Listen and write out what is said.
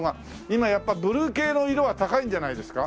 今やっぱりブルー系の色は高いんじゃないですか？